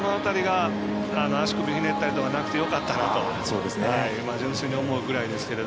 足首ひねったりがなくてよかったなと純粋に思うぐらいですけど。